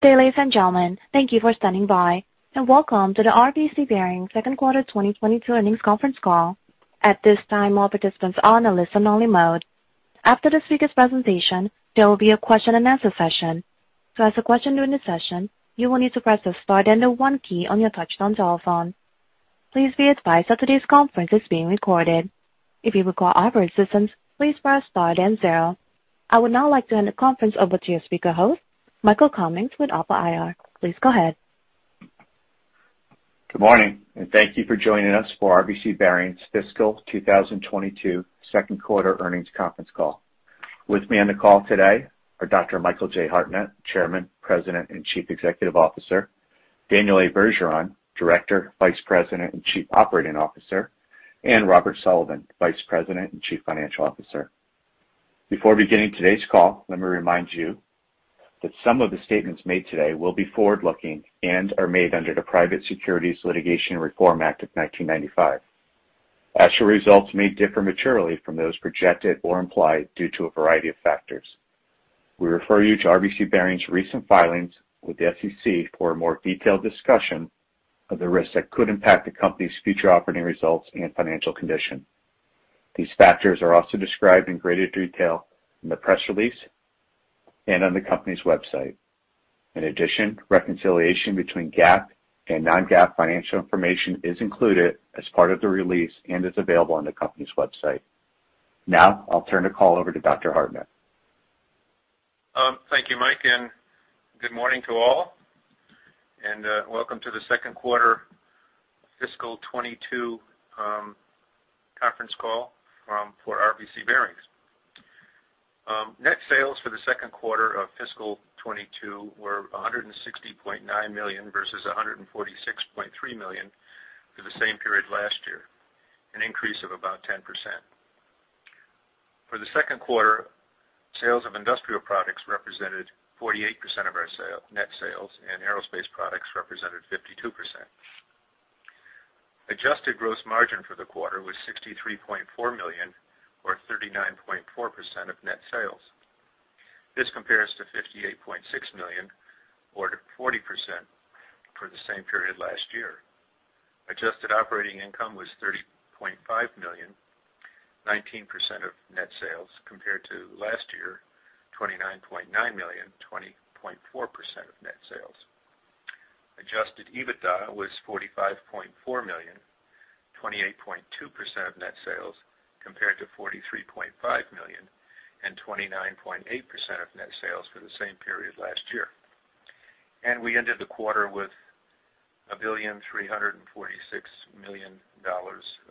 Ladies and gentlemen, thank you for standing by and welcome to the RBC Bearings second quarter 2022 earnings conference call. At this time, all participants are in a listen-only mode. After the speaker's presentation, there will be a question-and-answer session. To ask a question during the session, you will need to press the star and the 1 key on your touchscreen on your telephone. Please be advised that today's conference is being recorded. If you require our assistance, please press star and 0. I would now like to hand the conference over to your speaker host, Michael Cummings with Alpha IR. Please go ahead. Good morning, and thank you for joining us for RBC Bearings fiscal 2022 second quarter earnings conference call. With me on the call today are Dr. Michael J. Hartnett, Chairman, President, and Chief Executive Officer; Daniel Bergeron, Director, Vice President, and Chief Operating Officer; and Robert Sullivan, Vice President and Chief Financial Officer. Before beginning today's call, let me remind you that some of the statements made today will be forward-looking and are made under the Private Securities Litigation Reform Act of 1995. Actual results may differ materially from those projected or implied due to a variety of factors. We refer you to RBC Bearings' recent filings with the SEC for a more detailed discussion of the risks that could impact the company's future operating results and financial condition. These factors are also described in greater detail in the press release and on the company's website. In addition, reconciliation between GAAP and non-GAAP financial information is included as part of the release and is available on the company's website. Now I'll turn the call over to Dr. Hartnett. Thank you, Mike, and good morning to all. Welcome to the second quarter fiscal 2022 conference call for RBC Bearings. Net sales for the second quarter of fiscal 2022 were $160.9 million versus $146.3 million for the same period last year, an increase of about 10%. For the second quarter, sales of industrial products represented 48% of our net sales, and aerospace products represented 52%. Adjusted gross margin for the quarter was $63.4 million, or 39.4% of net sales. This compares to $58.6 million, or 40%, for the same period last year. Adjusted operating income was $30.5 million, 19% of net sales, compared to last year, $29.9 million, 20.4% of net sales. Adjusted EBITDA was $45.4 million, 28.2% of net sales, compared to $43.5 million and 29.8% of net sales for the same period last year. We ended the quarter with $1,346 million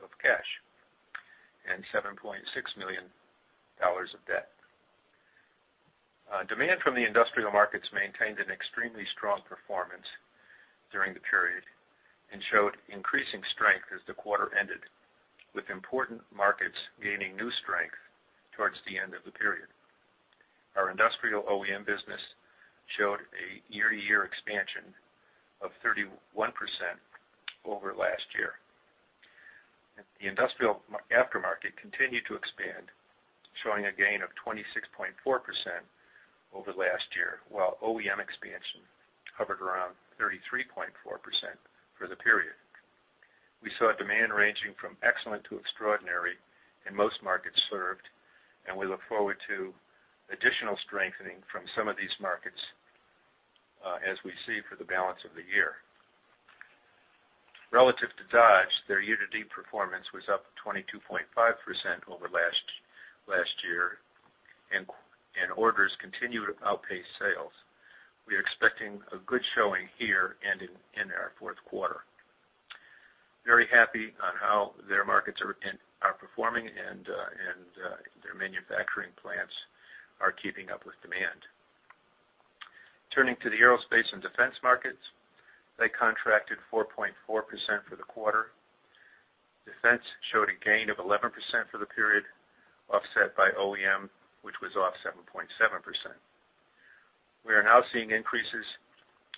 of cash and $7.6 million of debt. Demand from the industrial markets maintained an extremely strong performance during the period and showed increasing strength as the quarter ended, with important markets gaining new strength towards the end of the period. Our industrial OEM business showed a year-to-year expansion of 31% over last year. The industrial aftermarket continued to expand, showing a gain of 26.4% over last year, while OEM expansion hovered around 33.4% for the period. We saw demand ranging from excellent to extraordinary in most markets served, and we look forward to additional strengthening from some of these markets as we see for the balance of the year. Relative to Dodge, their year-to-date performance was up 22.5% over last year, and orders continued to outpace sales. We are expecting a good showing here and in our fourth quarter. Very happy on how their markets are performing and their manufacturing plants are keeping up with demand. Turning to the aerospace and defense markets, they contracted 4.4% for the quarter. Defense showed a gain of 11% for the period, offset by OEM, which was off 7.7%. We are now seeing increases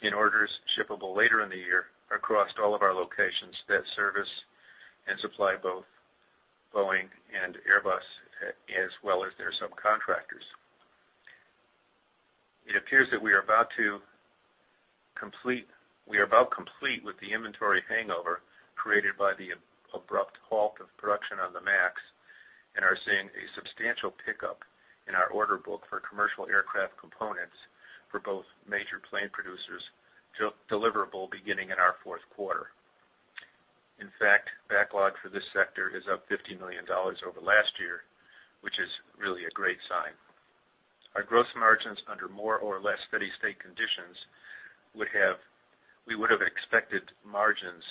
in orders shippable later in the year across all of our locations that service and supply both Boeing and Airbus, as well as their subcontractors. It appears that we are about to complete with the inventory hangover created by the abrupt halt of production on the MAX and are seeing a substantial pickup in our order book for commercial aircraft components for both major plane producers, deliverable beginning in our fourth quarter. In fact, backlog for this sector is up $50 million over last year, which is really a great sign. Our gross margins under more or less steady-state conditions would have expected margins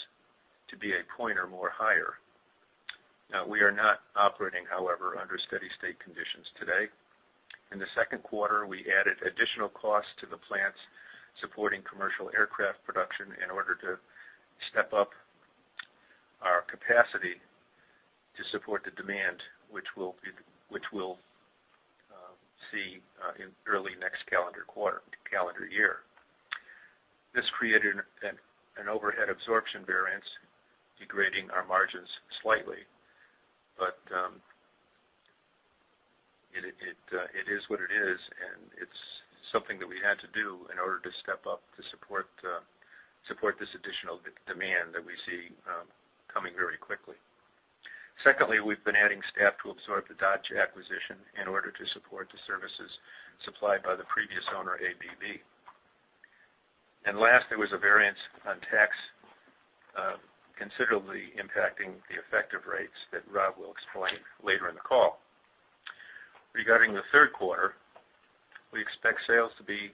to be a point or more higher. Now, we are not operating, however, under steady-state conditions today. In the second quarter, we added additional costs to the plants supporting commercial aircraft production in order to step up our capacity to support the demand, which we'll see in early next calendar year. This created an overhead absorption variance, degrading our margins slightly. But it is what it is, and it's something that we had to do in order to step up to support this additional demand that we see coming very quickly. Secondly, we've been adding staff to absorb the Dodge acquisition in order to support the services supplied by the previous owner, ABB. And last, there was a variance on tax considerably impacting the effective rates that Rob will explain later in the call. Regarding the third quarter, we expect sales to be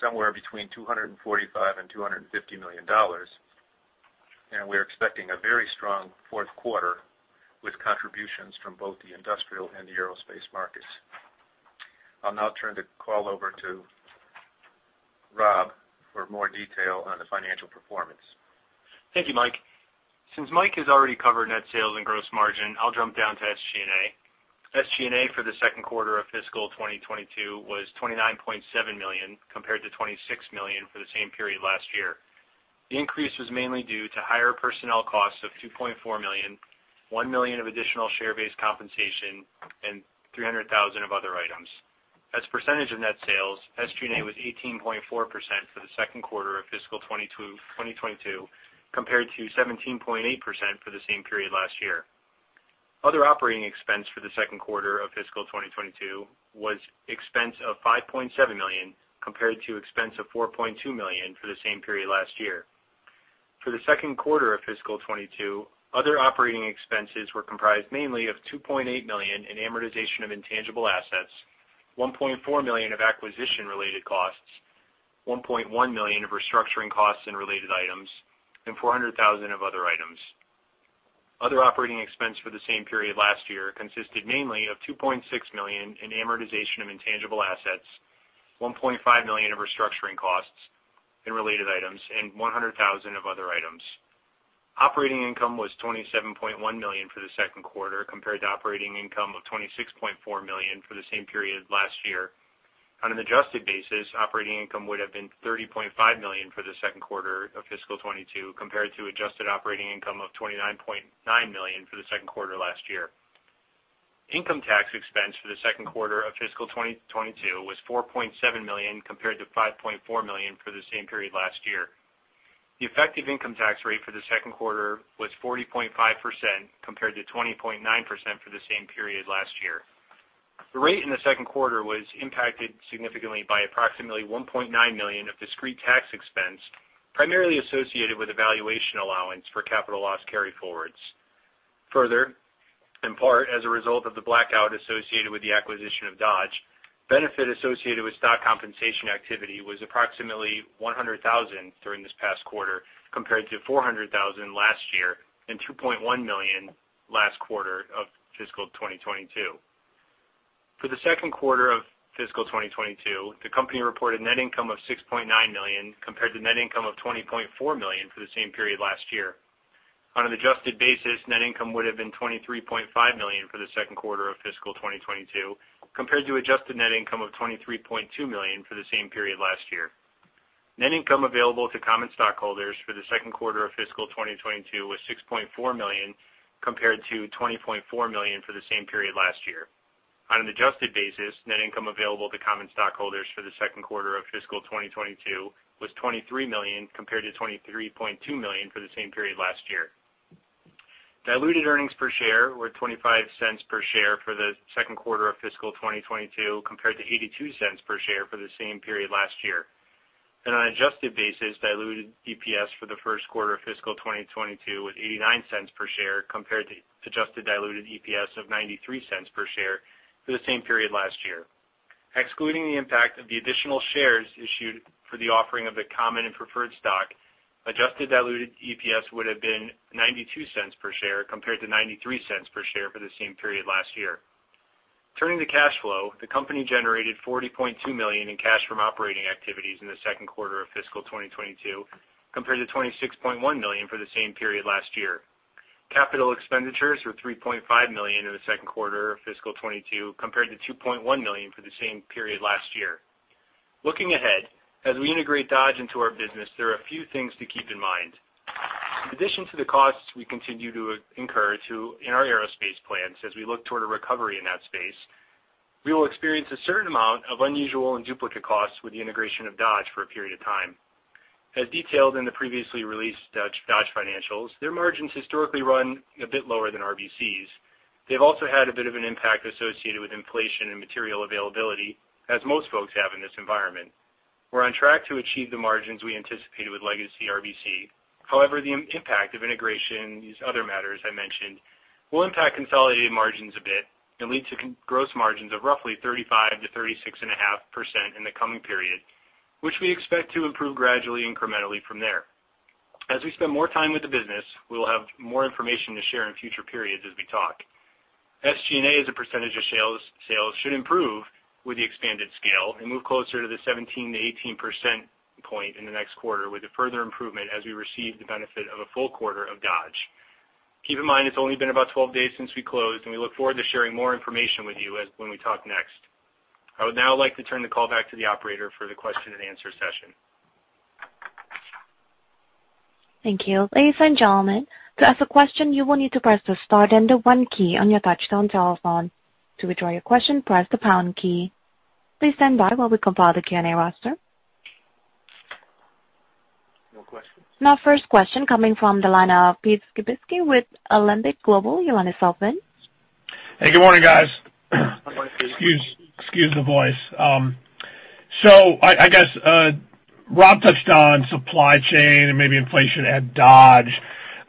somewhere between $245 million-$250 million, and we're expecting a very strong fourth quarter with contributions from both the industrial and the aerospace markets. I'll now turn the call over to Rob for more detail on the financial performance. Thank you, Mike. Since Mike has already covered net sales and gross margin, I'll jump down to SG&A. SG&A for the second quarter of fiscal 2022 was $29.7 million compared to $26 million for the same period last year. The increase was mainly due to higher personnel costs of $2.4 million, $1 million of additional share-based compensation, and $300,000 of other items. As percentage of net sales, SG&A was 18.4% for the second quarter of fiscal 2022 compared to 17.8% for the same period last year. Other operating expense for the second quarter of fiscal 2022 was expense of $5.7 million compared to expense of $4.2 million for the same period last year. For the second quarter of fiscal 2022, other operating expenses were comprised mainly of $2.8 million in amortization of intangible assets, $1.4 million of acquisition-related costs, $1.1 million of restructuring costs and related items, and $400,000 of other items. Other operating expense for the same period last year consisted mainly of $2.6 million in amortization of intangible assets, $1.5 million of restructuring costs and related items, and $100,000 of other items. Operating income was $27.1 million for the second quarter compared to operating income of $26.4 million for the same period last year. On an adjusted basis, operating income would have been $30.5 million for the second quarter of fiscal 2022 compared to adjusted operating income of $29.9 million for the second quarter last year. Income tax expense for the second quarter of fiscal 2022 was $4.7 million compared to $5.4 million for the same period last year. The effective income tax rate for the second quarter was 40.5% compared to 20.9% for the same period last year. The rate in the second quarter was impacted significantly by approximately $1.9 million of discrete tax expense primarily associated with valuation allowance for capital loss carryforwards. Further, in part as a result of the blackout associated with the acquisition of Dodge, benefit associated with stock compensation activity was approximately $100,000 during this past quarter compared to $400,000 last year and $2.1 million last quarter of fiscal 2022. For the second quarter of fiscal 2022, the company reported net income of $6.9 million compared to net income of $20.4 million for the same period last year. On an adjusted basis, net income would have been $23.5 million for the second quarter of fiscal 2022 compared to adjusted net income of $23.2 million for the same period last year. Net income available to common stockholders for the second quarter of fiscal 2022 was $6.4 million compared to $20.4 million for the same period last year. On an adjusted basis, net income available to common stockholders for the second quarter of fiscal 2022 was $23 million compared to $23.2 million for the same period last year. Diluted earnings per share were $0.25 per share for the second quarter of fiscal 2022 compared to $0.82 per share for the same period last year. On an adjusted basis, diluted EPS for the first quarter of fiscal 2022 was $0.89 per share compared to adjusted diluted EPS of $0.93 per share for the same period last year. Excluding the impact of the additional shares issued for the offering of the common and preferred stock, adjusted diluted EPS would have been $0.92 per share compared to $0.93 per share for the same period last year. Turning to cash flow, the company generated $40.2 million in cash from operating activities in the second quarter of fiscal 2022 compared to $26.1 million for the same period last year. Capital expenditures were $3.5 million in the second quarter of fiscal 2022 compared to $2.1 million for the same period last year. Looking ahead, as we integrate Dodge into our business, there are a few things to keep in mind. In addition to the costs we continue to incur in our aerospace plans as we look toward a recovery in that space, we will experience a certain amount of unusual and duplicate costs with the integration of Dodge for a period of time. As detailed in the previously released Dodge financials, their margins historically run a bit lower than RBC's. They've also had a bit of an impact associated with inflation and material availability, as most folks have in this environment. We're on track to achieve the margins we anticipated with legacy RBC. However, the impact of integration and these other matters I mentioned will impact consolidated margins a bit and lead to gross margins of roughly 35%-36.5% in the coming period, which we expect to improve gradually and incrementally from there. As we spend more time with the business, we'll have more information to share in future periods as we talk. SG&A as a percentage of sales should improve with the expanded scale and move closer to the 17%-18% point in the next quarter with a further improvement as we receive the benefit of a full quarter of Dodge. Keep in mind it's only been about 12 days since we closed, and we look forward to sharing more information with you when we talk next. I would now like to turn the call back to the operator for the question and answer session. Thank you. Ladies and gentlemen, to ask a question, you will need to press the star and the one key on your touch-tone telephone. To withdraw your question, press the pound key. Please stand by while we compile the Q&A roster. No questions. Now, first question coming from the line of Pete Skibitski with Alembic Global, Ioanna Sullivan. Hey, good morning, guys. Good morning, Pete. Excuse the voice. So I guess Rob touched on supply chain and maybe inflation at Dodge.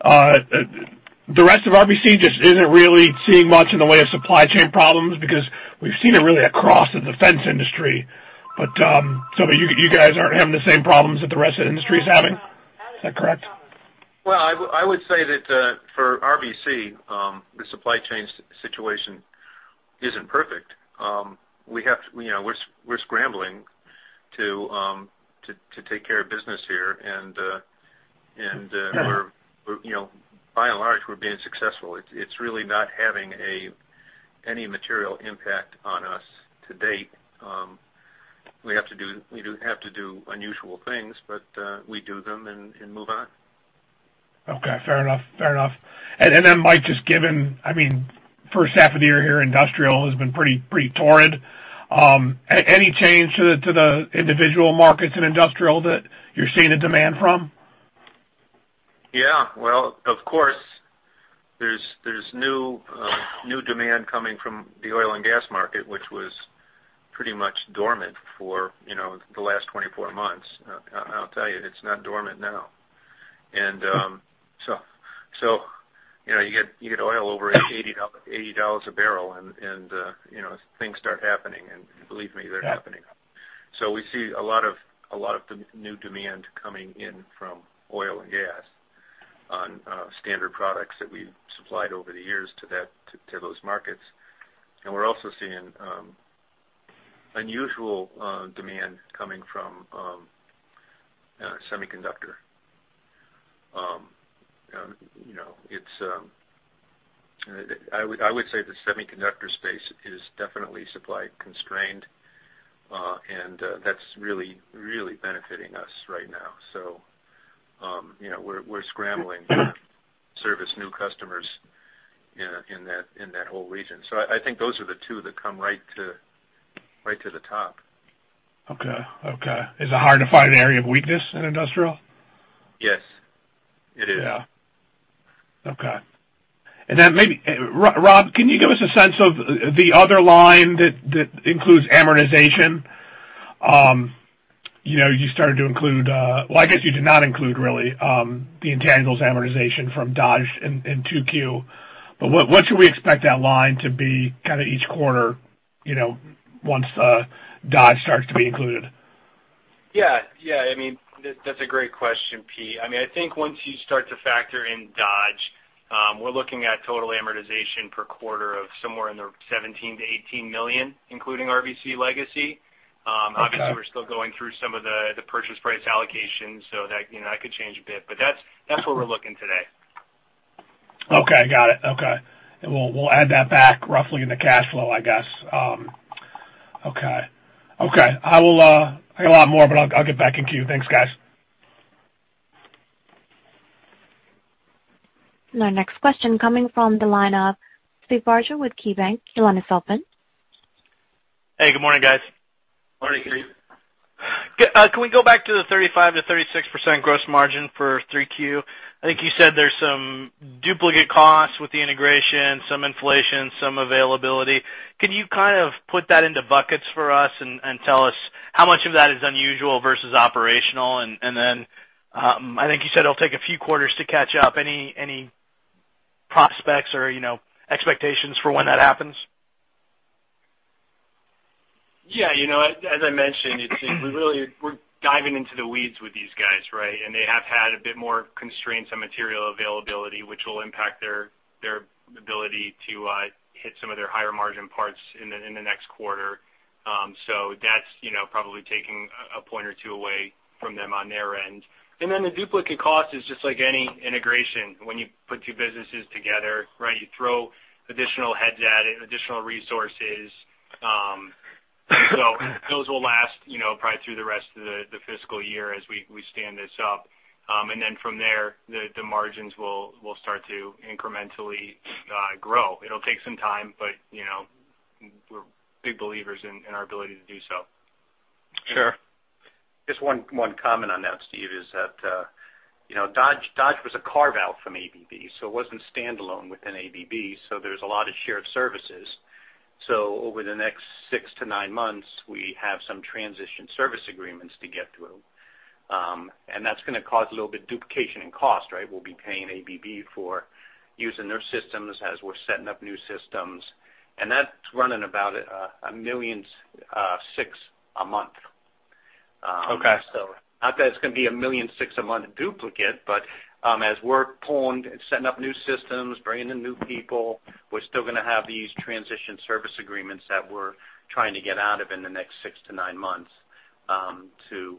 The rest of RBC just isn't really seeing much in the way of supply chain problems because we've seen it really across the defense industry. So you guys aren't having the same problems that the rest of the industry is having? Is that correct? Well, I would say that for RBC, the supply chain situation isn't perfect. We're scrambling to take care of business here, and by and large, we're being successful. It's really not having any material impact on us to date. We do have to do unusual things, but we do them and move on. Okay. Fair enough. Fair enough. And then, Mike, just given I mean, first half of the year here, industrial has been pretty torrid. Any change to the individual markets in industrial that you're seeing the demand from? Yeah. Well, of course, there's new demand coming from the oil and gas market, which was pretty much dormant for the last 24 months. I'll tell you, it's not dormant now. And so you get oil over $80 a barrel, and things start happening. And believe me, they're happening. So we see a lot of new demand coming in from oil and gas on standard products that we've supplied over the years to those markets. And we're also seeing unusual demand coming from semiconductor. I would say the semiconductor space is definitely supply constrained, and that's really, really benefiting us right now. So we're scrambling to service new customers in that whole region. So I think those are the two that come right to the top. Okay. Okay. Is it hard to find an area of weakness in industrial? Yes. It is. Yeah. Okay. And then, maybe Rob, can you give us a sense of the other line that includes amortization? You started to include well, I guess you did not include, really, the intangibles amortization from Dodge in 2Q. But what should we expect that line to be kind of each quarter once Dodge starts to be included? Yeah. Yeah. I mean, that's a great question, Pete. I mean, I think once you start to factor in Dodge, we're looking at total amortization per quarter of somewhere in the $17 million-$18 million, including RBC legacy. Obviously, we're still going through some of the purchase price allocations, so that could change a bit. But that's what we're looking today. Okay. Got it. Okay. And we'll add that back roughly in the cash flow, I guess. Okay. Okay. I got a lot more, but I'll get back in queue. Thanks, guys. Now, next question coming from the line of Steve Barger with KeyBanc, Ioanna Sullivan. Hey. Good morning, guys. Morning, Pete. Can we go back to the 35%-36% gross margin for 3Q? I think you said there's some duplicate costs with the integration, some inflation, some availability. Can you kind of put that into buckets for us and tell us how much of that is unusual versus operational? And then I think you said it'll take a few quarters to catch up. Any prospects or expectations for when that happens? Yeah. As I mentioned, we're diving into the weeds with these guys, right? And they have had a bit more constraints on material availability, which will impact their ability to hit some of their higher margin parts in the next quarter. So that's probably taking a point or two away from them on their end. And then the duplicate cost is just like any integration. When you put two businesses together, right, you throw additional heads at it, additional resources. So those will last probably through the rest of the fiscal year as we stand this up. And then from there, the margins will start to incrementally grow. It'll take some time, but we're big believers in our ability to do so. Sure. Just one comment on that, Steve, is that Dodge was a carve-out from ABB, so it wasn't standalone within ABB. So there's a lot of shared services. So over the next 6-9 months, we have some transition service agreements to get through. And that's going to cause a little bit of duplication in cost, right? We'll be paying ABB for using their systems as we're setting up new systems. And that's running about $1.6 million a month. So not that it's going to be $1.6 million a month duplicate, but as we're planning setting up new systems, bringing in new people, we're still going to have these transition service agreements that we're trying to get out of in the next 6-9 months to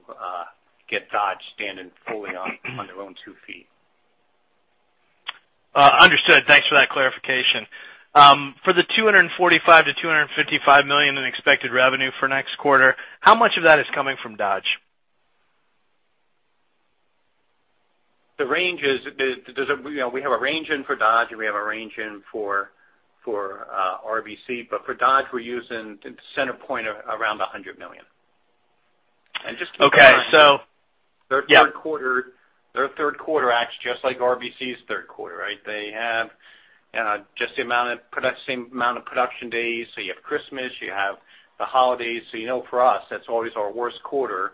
get Dodge standing fully on their own two feet. Understood. Thanks for that clarification. For the $245 million-$255 million in expected revenue for next quarter, how much of that is coming from Dodge? The range is, we have a range in for Dodge, and we have a range in for RBC. But for Dodge, we're using the center point around $100 million. And just keep in mind. Okay. So. Their third quarter acts just like RBC's third quarter, right? They have just the amount of same amount of production days. So you have Christmas. You have the holidays. So for us, that's always our worst quarter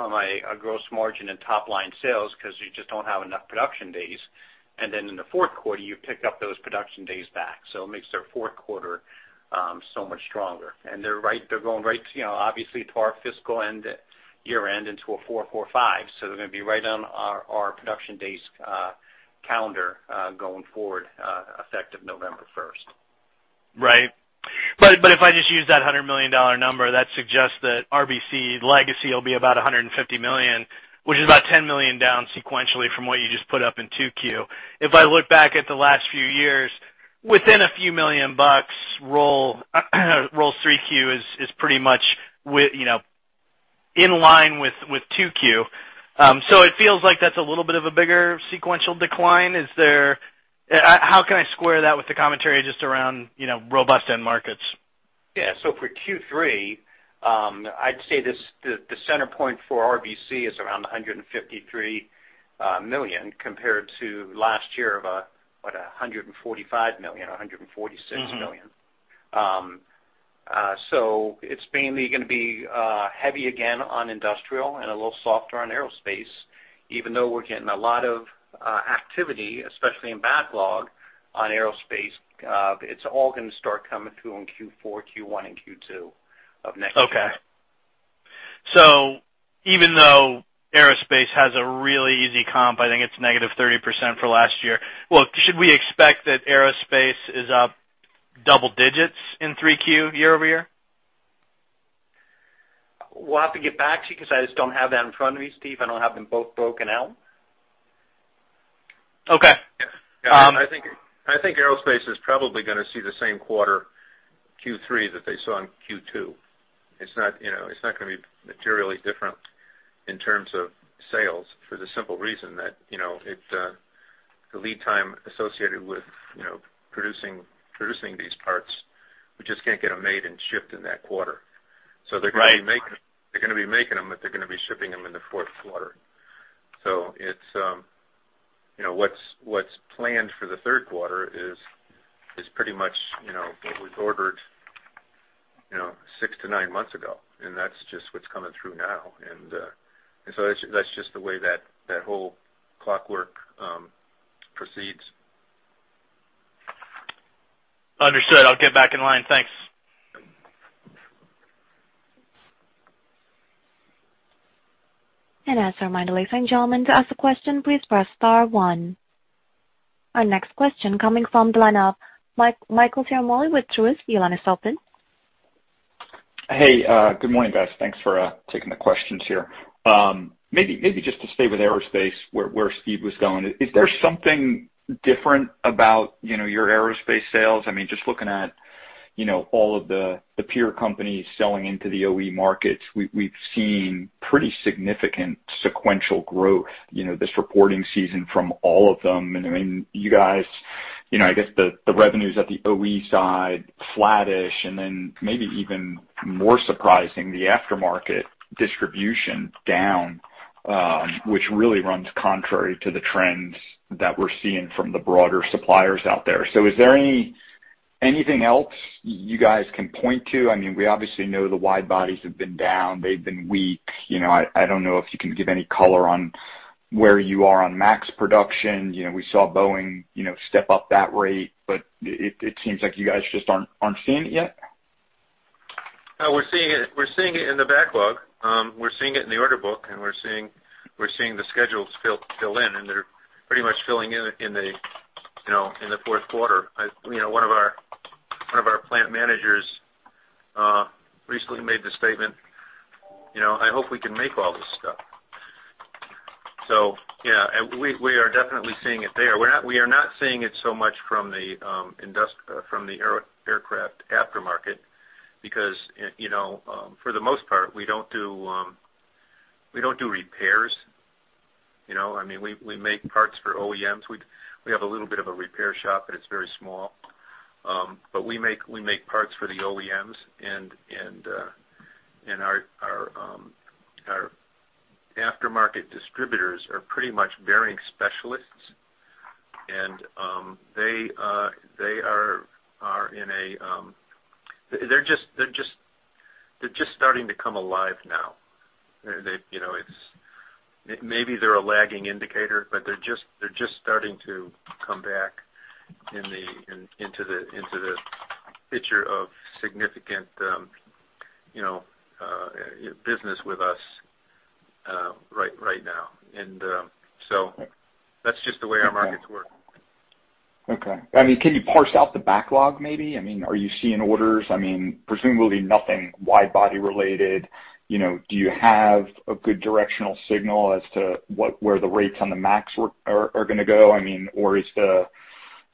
from a gross margin and top-line sales because you just don't have enough production days. And then in the fourth quarter, you pick up those production days back. So it makes their fourth quarter so much stronger. And they're going right, obviously, to our fiscal end, year-end, until a 4-4-5. So they're going to be right on our production days calendar going forward effective November 1st. Right. But if I just use that $100 million number, that suggests that RBC legacy will be about $150 million, which is about $10 million down sequentially from what you just put up in 2Q. If I look back at the last few years, within a few million bucks, RBC's 3Q is pretty much in line with 2Q. So it feels like that's a little bit of a bigger sequential decline. How can I square that with the commentary just around robust end markets? Yeah. So for Q3, I'd say the center point for RBC is around $153 million compared to last year of, what, $145 million, $146 million. So it's mainly going to be heavy again on industrial and a little softer on aerospace. Even though we're getting a lot of activity, especially in backlog on aerospace, it's all going to start coming through in Q4, Q1, and Q2 of next year. Okay. So even though aerospace has a really easy comp, I think it's negative 30% for last year. Well, should we expect that aerospace is up double digits in 3Q year-over-year? We'll have to get back to you because I just don't have that in front of me, Steve. I don't have them both broken out. Okay. Yeah. I think aerospace is probably going to see the same quarter Q3 that they saw in Q2. It's not going to be materially different in terms of sales for the simple reason that the lead time associated with producing these parts, we just can't get them made and shipped in that quarter. So they're going to be making them they're going to be making them, but they're going to be shipping them in the fourth quarter. So what's planned for the third quarter is pretty much what we've ordered six to nine months ago, and that's just what's coming through now. And so that's just the way that whole clockwork proceeds. Understood. I'll get back in line. Thanks. As a reminder, ladies and gentlemen, to ask a question, please press star one. Our next question coming from the line of Michael Ciarmoli with Truist, Ioanna Sullivan. Hey. Good morning, guys. Thanks for taking the questions here. Maybe just to stay with aerospace, where Steve was going, is there something different about your aerospace sales? I mean, just looking at all of the peer companies selling into the OE markets, we've seen pretty significant sequential growth this reporting season from all of them. And I mean, you guys, I guess the revenues at the OE side flat-ish. And then maybe even more surprising, the aftermarket distribution down, which really runs contrary to the trends that we're seeing from the broader suppliers out there. So is there anything else you guys can point to? I mean, we obviously know the wide bodies have been down. They've been weak. I don't know if you can give any color on where you are on MAX production. We saw Boeing step up that rate, but it seems like you guys just aren't seeing it yet. We're seeing it in the backlog. We're seeing it in the order book, and we're seeing the schedules fill in, and they're pretty much filling in in the fourth quarter. One of our plant managers recently made the statement, "I hope we can make all this stuff." So yeah, we are definitely seeing it there. We are not seeing it so much from the aircraft aftermarket because for the most part, we don't do repairs. I mean, we make parts for OEMs. We have a little bit of a repair shop, but it's very small. But we make parts for the OEMs, and our aftermarket distributors are pretty much bearing specialists, and they are in a they're just starting to come alive now. Maybe they're a lagging indicator, but they're just starting to come back into the picture of significant business with us right now. That's just the way our markets work. Okay. I mean, can you parse out the backlog, maybe? I mean, are you seeing orders? I mean, presumably nothing wide-body related. Do you have a good directional signal as to where the rates on the MAX are going to go? I mean, or is the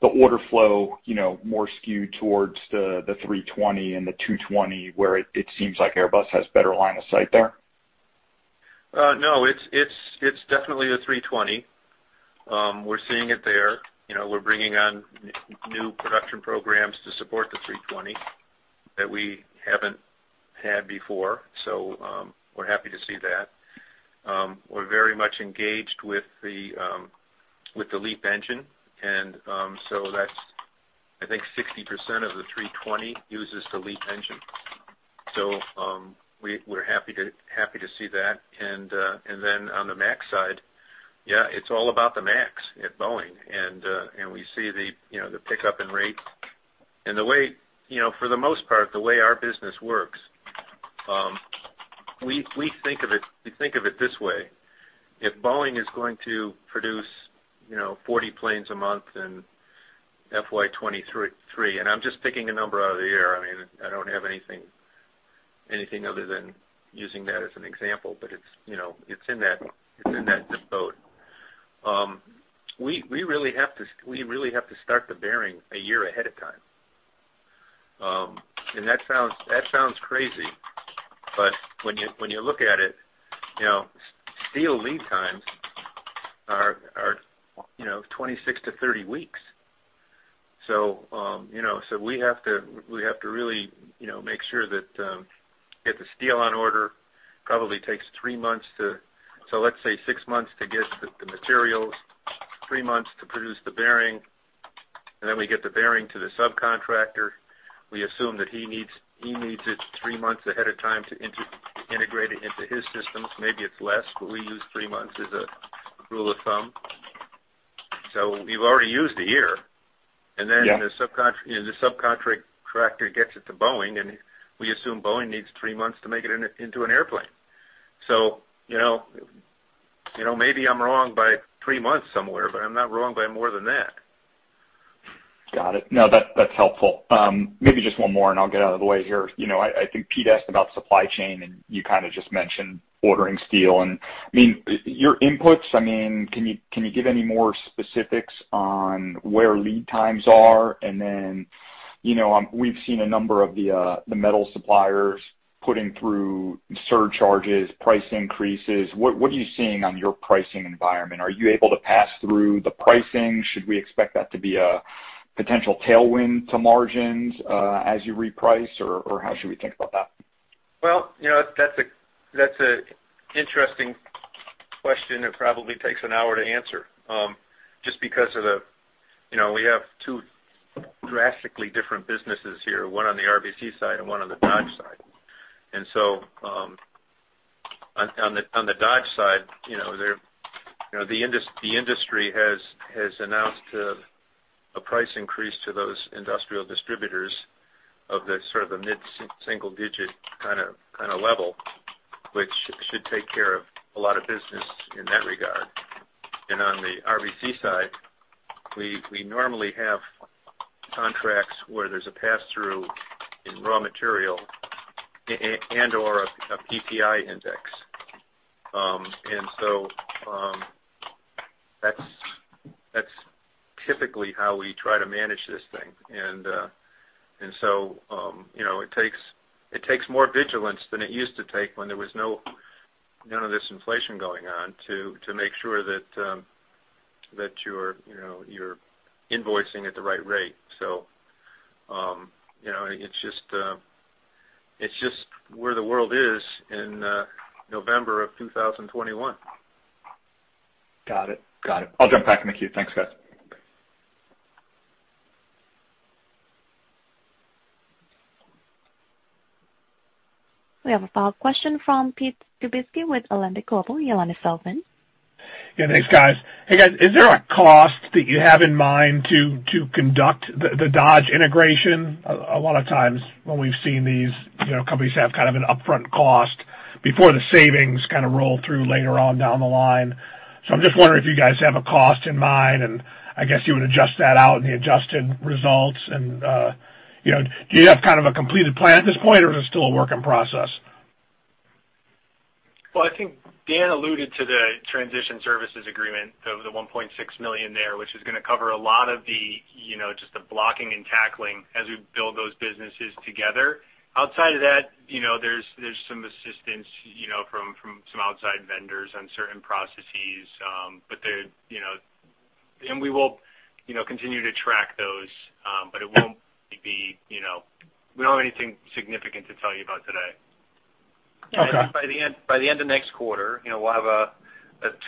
order flow more skewed towards the 320 and the 220 where it seems like Airbus has better line of sight there? No. It's definitely a 320. We're seeing it there. We're bringing on new production programs to support the 320 that we haven't had before, so we're happy to see that. We're very much engaged with the LEAP engine, and so that's, I think, 60% of the 320 uses the LEAP engine. So we're happy to see that. And then on the MAX side, yeah, it's all about the MAX at Boeing, and we see the pickup in rates. And for the most part, the way our business works, we think of it this way. If Boeing is going to produce 40 planes a month in FY2023 and I'm just picking a number out of the air. I mean, I don't have anything other than using that as an example, but it's in that zip code. We really have to start the bearing a year ahead of time. That sounds crazy, but when you look at it, steel lead times are 26-30 weeks. So we have to really make sure that get the steel on order. Probably takes three months to so let's say six months to get the materials, three months to produce the bearing, and then we get the bearing to the subcontractor. We assume that he needs it three months ahead of time to integrate it into his systems. Maybe it's less, but we use three months as a rule of thumb. So we've already used a year, and then the subcontractor gets it to Boeing, and we assume Boeing needs three months to make it into an airplane. So maybe I'm wrong by three months somewhere, but I'm not wrong by more than that. Got it. No, that's helpful. Maybe just one more, and I'll get out of the way here. I think Pete asked about supply chain, and you kind of just mentioned ordering steel. And I mean, your inputs, I mean, can you give any more specifics on where lead times are? And then we've seen a number of the metal suppliers putting through surcharges, price increases. What are you seeing on your pricing environment? Are you able to pass through the pricing? Should we expect that to be a potential tailwind to margins as you reprice, or how should we think about that? Well, that's an interesting question that probably takes an hour to answer just because we have two drastically different businesses here, one on the RBC side and one on the Dodge side. And so on the Dodge side, the industry has announced a price increase to those industrial distributors of sort of the mid-single-digit kind of level, which should take care of a lot of business in that regard. And on the RBC side, we normally have contracts where there's a pass-through in raw material and/or a PPI index. And so that's typically how we try to manage this thing. And so it takes more vigilance than it used to take when there was none of this inflation going on to make sure that you're invoicing at the right rate. So it's just where the world is in November of 2021. Got it. Got it. I'll jump back in with you. Thanks, guys. We have a follow-up question from Pete Skibitski with Alembic Global, Ioanna Sullivan. Yeah. Thanks, guys. Hey, guys, is there a cost that you have in mind to conduct the Dodge integration? A lot of times, when we've seen these companies have kind of an upfront cost before the savings kind of roll through later on down the line. So I'm just wondering if you guys have a cost in mind, and I guess you would adjust that out in the adjusted results. And do you have kind of a completed plan at this point, or is it still a work in process? Well, I think Dan alluded to the transition services agreement, the $1.6 million there, which is going to cover a lot of just the blocking and tackling as we build those businesses together. Outside of that, there's some assistance from some outside vendors on certain processes, but we will continue to track those, but we don't have anything significant to tell you about today. By the end of next quarter, we'll have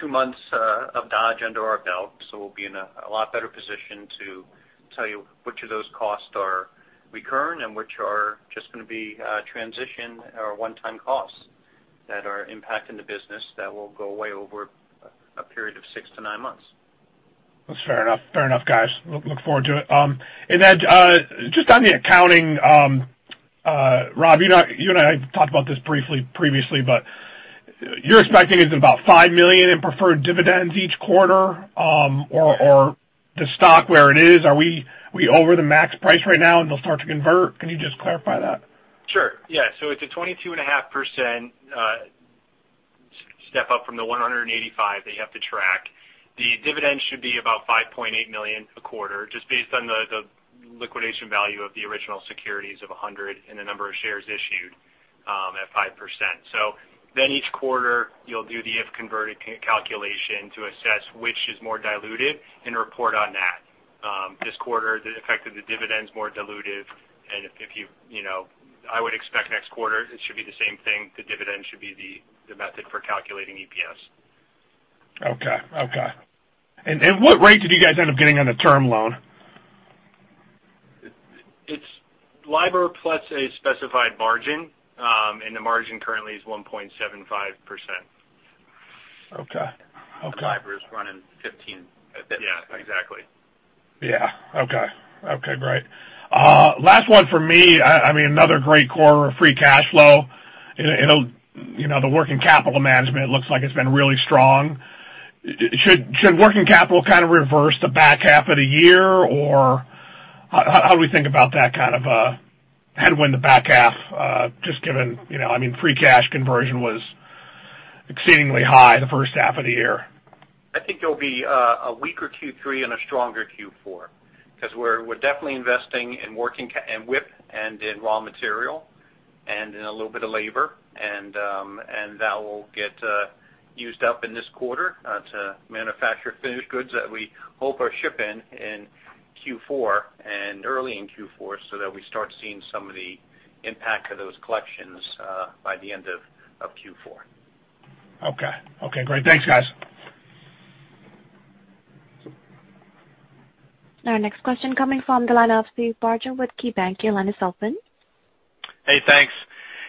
2 months of Dodge under our belt, so we'll be in a lot better position to tell you which of those costs are recurring and which are just going to be transition or one-time costs that are impacting the business that will go away over a period of 6-9 months. That's fair enough. Fair enough, guys. Look forward to it. And then just on the accounting, Rob, you and I talked about this briefly previously, but you're expecting is it about $5 million in preferred dividends each quarter, or the stock where it is, are we over the max price right now, and they'll start to convert? Can you just clarify that? Sure. Yeah. So it's a 22.5% step up from the 185 that you have to track. The dividend should be about $5.8 million a quarter just based on the liquidation value of the original securities of $100 and the number of shares issued at 5%. So then each quarter, you'll do the if-converted calculation to assess which is more diluted and report on that. This quarter, the effect of the dividend's more diluted, and I would expect next quarter, it should be the same thing. The dividend should be the method for calculating EPS. Okay. Okay. And what rate did you guys end up getting on the term loan? It's LIBOR plus a specified margin, and the margin currently is 1.75%. The LIBOR is running 15. Yeah. Exactly. Yeah. Okay. Okay. Great. Last one for me. I mean, another great quarter of free cash flow. The working capital management looks like it's been really strong. Should working capital kind of reverse in the back half of the year, or how do we think about that kind of headwind in the back half just given—I mean, free cash conversion was exceedingly high the first half of the year? I think it'll be a weaker Q3 and a stronger Q4 because we're definitely investing in WIP and in raw material and in a little bit of labor, and that will get used up in this quarter to manufacture finished goods that we hope are shipped in early in Q4 so that we start seeing some of the impact of those collections by the end of Q4. Okay. Okay. Great. Thanks, guys. Our next question coming from the line of Steve Barger with KeyBanc, Ioanna Sullivan. Hey. Thanks.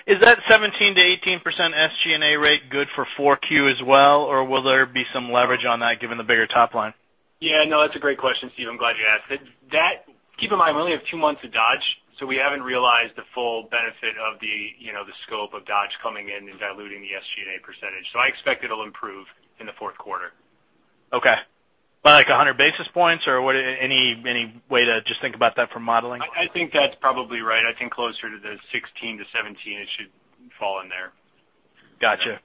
Is that 17%-18% SG&A rate good for 4Q as well, or will there be some leverage on that given the bigger top line? Yeah. No, that's a great question, Steve. I'm glad you asked it. Keep in mind, we only have two months of Dodge, so we haven't realized the full benefit of the scope of Dodge coming in and diluting the SG&A percentage. So I expect it'll improve in the fourth quarter. Okay. By like 100 basis points, or any way to just think about that from modeling? I think that's probably right. I think closer to the 16-17, it should fall in there. Gotcha.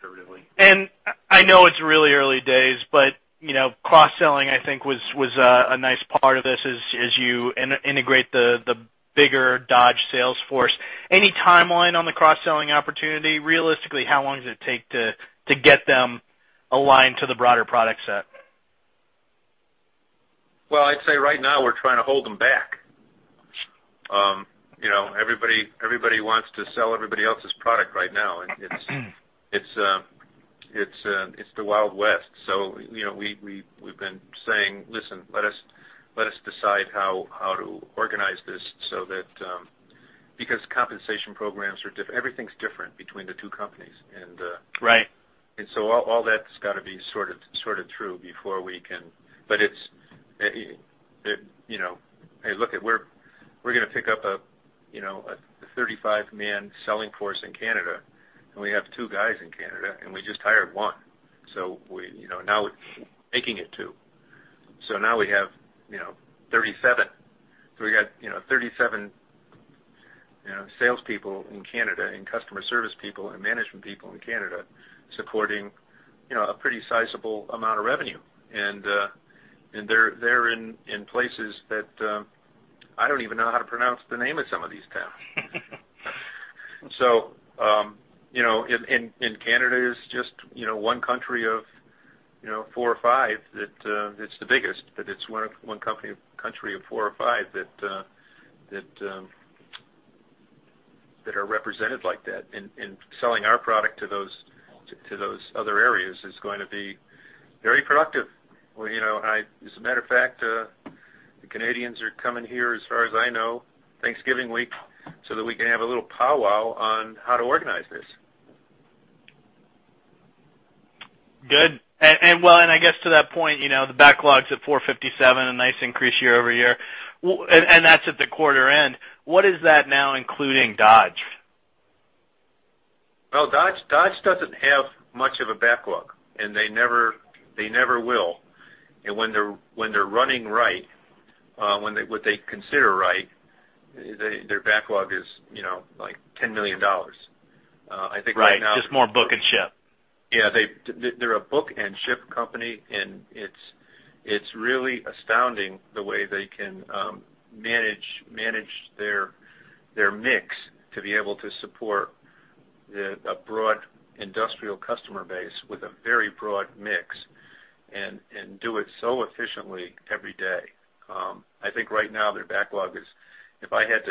Conservatively. I know it's really early days, but cross-selling, I think, was a nice part of this as you integrate the bigger Dodge sales force. Any timeline on the cross-selling opportunity? Realistically, how long does it take to get them aligned to the broader product set? Well, I'd say right now, we're trying to hold them back. Everybody wants to sell everybody else's product right now, and it's the Wild West. So we've been saying, "Listen, let us decide how to organize this so that" because compensation programs are everything's different between the two companies, and so all that's got to be sorted through before we can but it's hey, look it. We're going to pick up a 35-man selling force in Canada, and we have two guys in Canada, and we just hired one. So now we're making it two. So now we have 37. So we got 37 salespeople in Canada and customer service people and management people in Canada supporting a pretty sizable amount of revenue, and they're in places that I don't even know how to pronounce the name of some of these towns. So in Canada, it's just one country of four or five that's the biggest, but it's one country of four or five that are represented like that. And selling our product to those other areas is going to be very productive. As a matter of fact, the Canadians are coming here, as far as I know, Thanksgiving week so that we can have a little powwow on how to organize this. Good. Well, I guess to that point, the backlog's at 457, a nice increase year-over-year, and that's at the quarter-end. What is that now including Dodge? Well, Dodge doesn't have much of a backlog, and they never will. And when they're running right, what they consider right, their backlog is like $10 million. I think right now. Right. Just more book and ship. Yeah. They're a book and ship company, and it's really astounding the way they can manage their mix to be able to support a broad industrial customer base with a very broad mix and do it so efficiently every day. I think right now, their backlog is if I had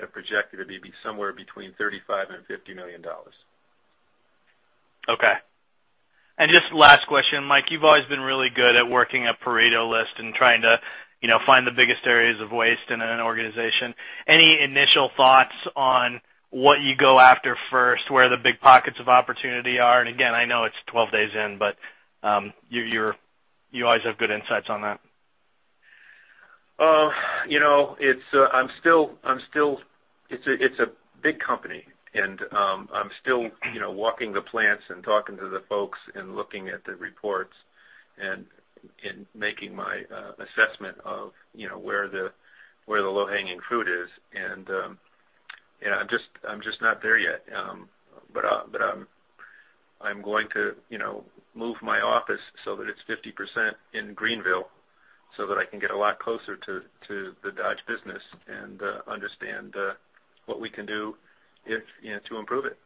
to project it, it'd be somewhere between $35 million and $50 million. Okay. And just last question, Mike. You've always been really good at working a Pareto list and trying to find the biggest areas of waste in an organization. Any initial thoughts on what you go after first, where the big pockets of opportunity are? And again, I know it's 12 days in, but you always have good insights on that. I'm still, it's a big company, and I'm still walking the plants and talking to the folks and looking at the reports and making my assessment of where the low-hanging fruit is. I'm just not there yet, but I'm going to move my office so that it's 50% in Greenville so that I can get a lot closer to the Dodge business and understand what we can do to improve it.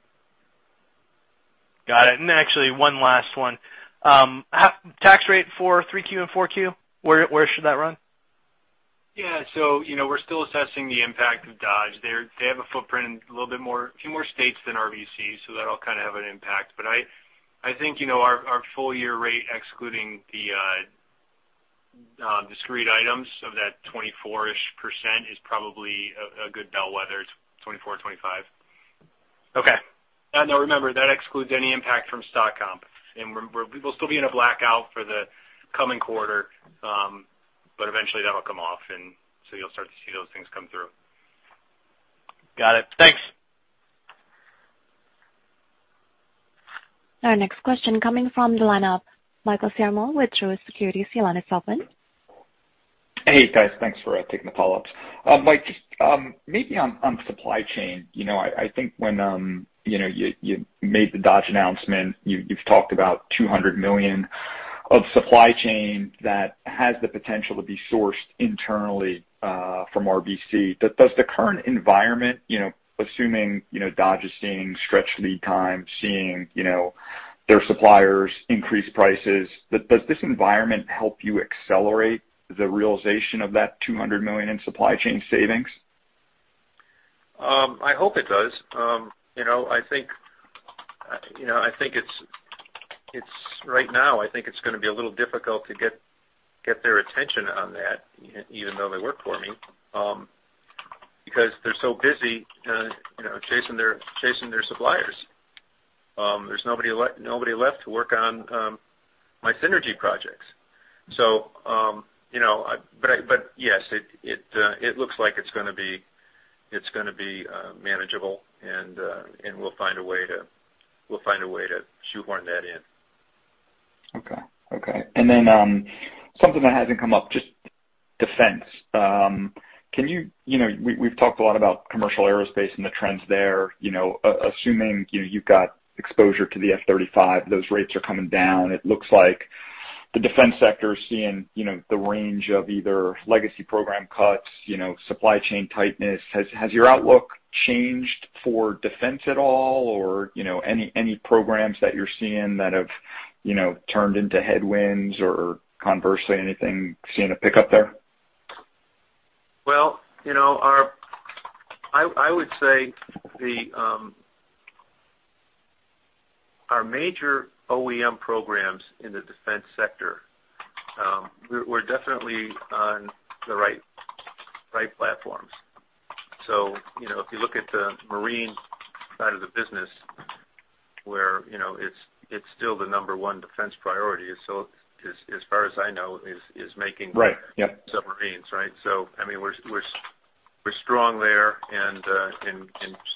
Got it. And actually, one last one. Tax rate for 3Q and 4Q, where should that run? Yeah. So we're still assessing the impact of Dodge. They have a footprint in a few more states than RBC, so that'll kind of have an impact. But I think our full-year rate, excluding the discrete items of that 24%-ish, is probably a good bellwether. It's 24, 25. And now remember, that excludes any impact from stock comp, and we'll still be in a blackout for the coming quarter, but eventually, that'll come off, and so you'll start to see those things come through. Got it. Thanks. Our next question coming from the line of Michael Ciarmoli with Truist Securities, Ioanna Sullivan. Hey, guys. Thanks for taking the follow-ups. Mike, maybe on supply chain. I think when you made the Dodge announcement, you've talked about $200 million of supply chain that has the potential to be sourced internally from RBC. Does the current environment, assuming Dodge is seeing stretched lead times, seeing their suppliers increase prices, does this environment help you accelerate the realization of that $200 million in supply chain savings? I hope it does. I think it's right now, I think it's going to be a little difficult to get their attention on that, even though they work for me, because they're so busy chasing their suppliers. There's nobody left to work on my synergy projects. But yes, it looks like it's going to be manageable, and we'll find a way to shoehorn that in. Okay. Okay. And then something that hasn't come up, just defense. Can you? We've talked a lot about commercial aerospace and the trends there. Assuming you've got exposure to the F-35, those rates are coming down. It looks like the defense sector is seeing the range of either legacy program cuts, supply chain tightness. Has your outlook changed for defense at all, or any programs that you're seeing that have turned into headwinds or conversely anything seeing a pickup there? Well, I would say our major OEM programs in the defense sector, we're definitely on the right platforms. So if you look at the marine side of the business, where it's still the number one defense priority, as far as I know, is making submarines, right? So I mean, we're strong there and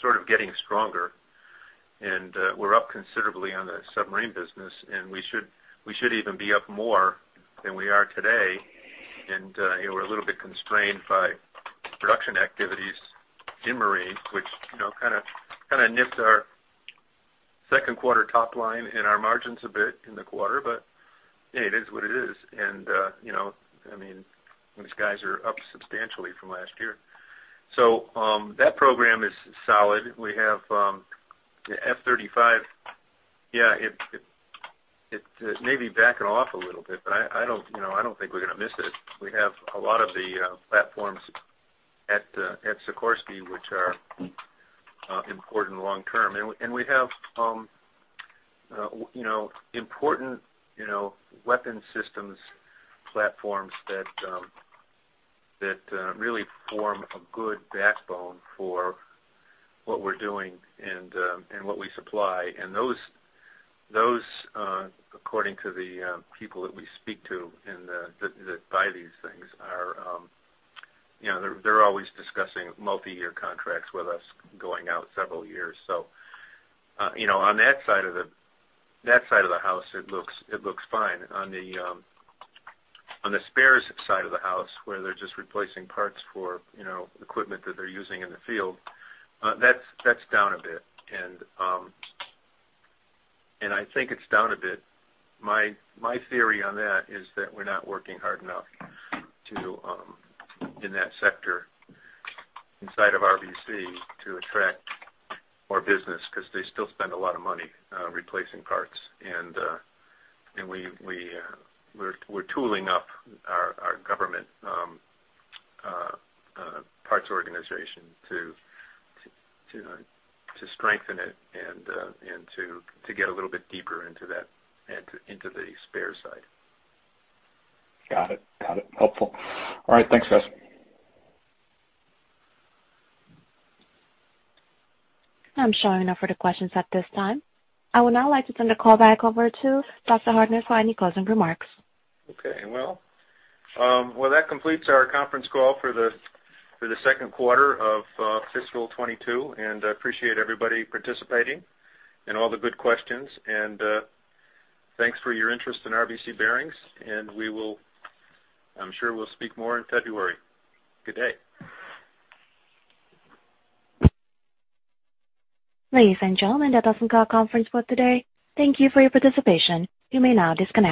sort of getting stronger, and we're up considerably on the submarine business, and we should even be up more than we are today. And we're a little bit constrained by production activities in marine, which kind of nipped our second-quarter top line and our margins a bit in the quarter, but it is what it is. And I mean, these guys are up substantially from last year. So that program is solid. We have the F-35. Yeah. It may be backing off a little bit, but I don't think we're going to miss it. We have a lot of the platforms at Sikorsky, which are important long-term. We have important weapons systems platforms that really form a good backbone for what we're doing and what we supply. And those, according to the people that we speak to and that buy these things, are always discussing multi-year contracts with us going out several years. So on that side of the house, it looks fine. On the spares side of the house, where they're just replacing parts for equipment that they're using in the field, that's down a bit, and I think it's down a bit. My theory on that is that we're not working hard enough in that sector inside of RBC to attract more business because they still spend a lot of money replacing parts. We're tooling up our government parts organization to strengthen it and to get a little bit deeper into the spares side. Got it. Got it. Helpful. All right. Thanks, guys. I'm showing no further questions at this time. I would now like to send a callback over to Dr. Hartnett for any closing remarks. Okay. Well, that completes our conference call for the second quarter of fiscal 2022, and I appreciate everybody participating and all the good questions. And thanks for your interest in RBC Bearings, and I'm sure we'll speak more in February. Good day. Ladies and gentlemen, that does conclude our conference call today. Thank you for your participation. You may now disconnect.